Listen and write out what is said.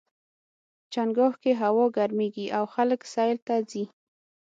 چنګاښ کې هوا ګرميږي او خلک سیل ته ځي.